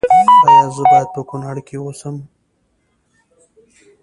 ایا زه باید په کنړ کې اوسم؟